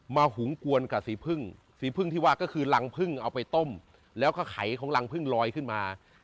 หุงกวนกับสีพึ่งสีพึ่งที่ว่าก็คือรังพึ่งเอาไปต้มแล้วก็ไขของรังพึ่งลอยขึ้นมา